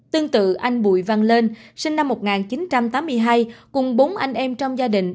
tương tự anh bùi văn lên sinh năm một nghìn chín trăm tám mươi hai cùng bốn anh em trong gia đình